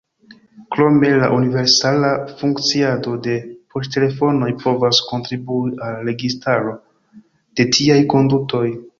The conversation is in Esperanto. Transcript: Krome la universala funkciado de poŝtelefonoj povas kontribui al registro de tiaj kondutoj.